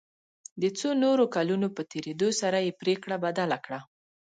د څو نورو کلونو په تېرېدو سره یې پريکړه بدله کړه.